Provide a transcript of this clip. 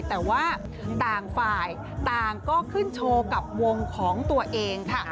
แต่ว่าต่างฝ่ายต่างก็ขึ้นโชว์กับวงของตัวเองค่ะ